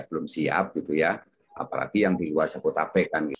belum siap gitu ya apalagi yang di luar jabotabek kan gitu